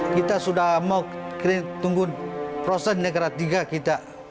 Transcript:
kita sudah mau tunggu proses negara tiga kita